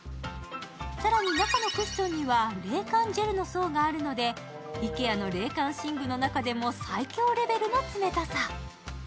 更に中のクッションには冷感ジェルの層があるのでＩＫＥＡの冷感寝具の中でも最強レベルの冷たさ。